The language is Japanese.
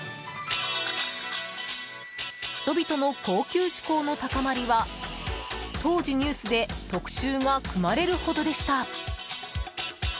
人々の高級志向の高まりは当時、ニュースで特集が組まれるほどでした。